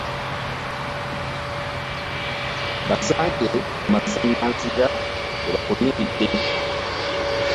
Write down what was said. Basange mu masaŋŋanzira we bakulindidde.